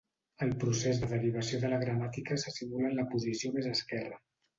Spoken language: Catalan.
El procés de derivació de la gramàtica se simula en la posició més esquerra.